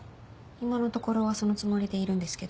今のところはそのつもりでいるんですけど。